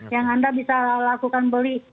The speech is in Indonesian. yang anda bisa lakukan beli